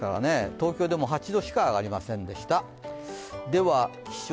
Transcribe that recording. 東京でも８度しか上がりませんでした。